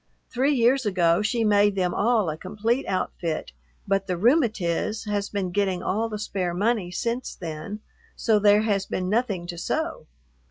Three years ago she made them all a complete outfit, but the "rheumatiz" has been getting all the spare money since then, so there has been nothing to sew.